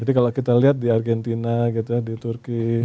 jadi kalau kita lihat di argentina gitu di turki